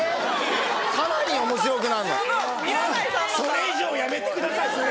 それ以上やめてください。